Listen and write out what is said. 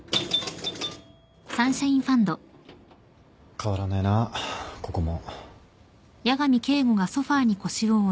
変わらねえなここも。